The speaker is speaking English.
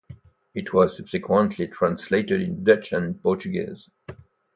It was subsequently translated in Dutch and Portuguese.